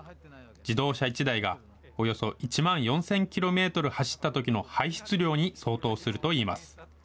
自動車１台がおよそ１万４０００キロメートル走ったときの排出量に相当するといいます。